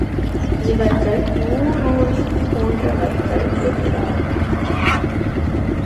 இவர்கள் ஊருணி போன்றவர்கள் என்றார்.